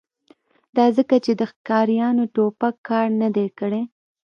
دا ځکه چې د ښکاریانو ټوپک کار نه دی کړی